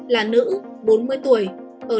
là nữ bốn mươi tuổi